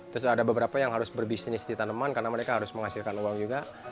terus ada beberapa yang harus berbisnis di tanaman karena mereka harus menghasilkan uang juga